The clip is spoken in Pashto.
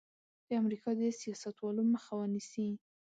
د امریکا د سیاستوالو مخه ونیسي.